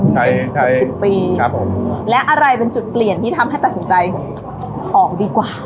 ใช้ใช้สิบปีครับผมและอะไรเป็นจุดเปลี่ยนที่ทำให้ตัดสินใจออกดีกว่า